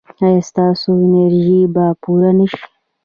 ایا ستاسو انرژي به پوره نه شي؟